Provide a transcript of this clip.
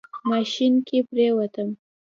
ماشين کې پرېوتم.